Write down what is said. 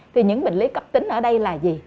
thì những bệnh lý cấp tính ở đây là gì